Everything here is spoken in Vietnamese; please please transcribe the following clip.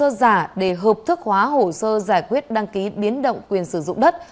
sơ giả để hợp thức hóa hồ sơ giải quyết đăng ký biến động quyền sử dụng đất